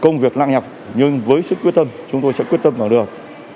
nhưng với sức quyết tâm chúng tôi sẽ quyết tâm vào được